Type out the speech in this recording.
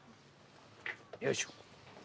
よいしょ。